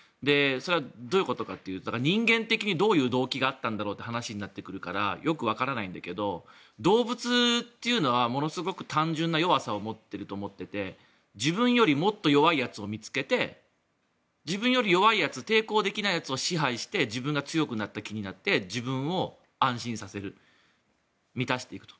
それはどういうことかというと人間的にどういう動機だったんだろうという話になるからよくわからないんだけど動物というのはものすごく単純な弱さを持っていると思っていて自分よりもっと弱いやつを見つけて自分より弱いやつ抵抗できないやつを見つけて自分が強くなった気になって自分を安心させる満たしていくと。